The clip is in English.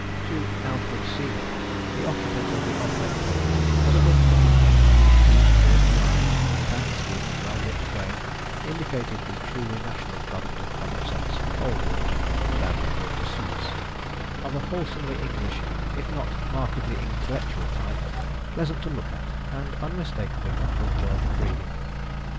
To outward seeming the occupant of the alcove table was a good looking young man, whose clear blue eyes, tanned skin and well knit frame indicated the truly national product of common sense, cold water, and out of door pursuits; of a wholesomely English if not markedly intellectual type, pleasant to look at, and unmistakably of good birth and breeding.